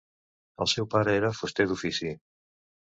El seu pare era fuster d'ofici.